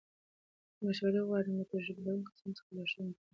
که مشوره وغواړې، نو له تجربه لرونکو کسانو څخه لارښوونه ترلاسه کړه.